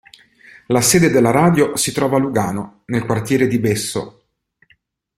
La sede della radio si trova a Lugano nel quartiere di Besso.